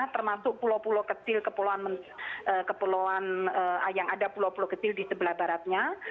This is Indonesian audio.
termasuk pulau pulau kecil yang ada pulau pulau kecil di sebelah baratnya